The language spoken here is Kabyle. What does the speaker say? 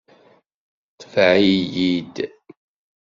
Tbeɛ-iyi-d.